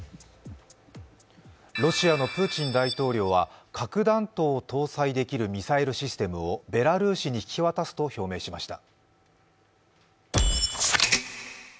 ロシアのプーチン大統領は核弾頭を搭載できるミサイルシステムをベラルーシに引き渡すと表明しました。